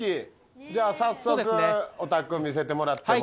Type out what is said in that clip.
じゃあ早速お宅見せてもらっても。